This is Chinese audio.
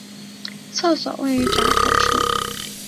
厕所位于闸口外。